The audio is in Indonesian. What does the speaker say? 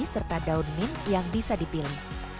serta daun mint yang bisa dipilih